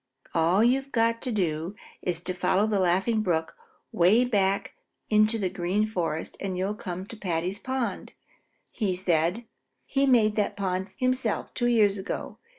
"All you've got to do is to follow the Laughing Brook way back into the Green Forest, and you'll come to Paddy's pond," said he. "He made that pond himself two years ago.